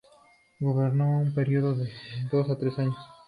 Gobernó un período de dos a tres años.